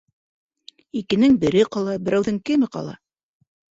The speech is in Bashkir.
Икенең бере ҡала, берәүҙең кеме ҡала?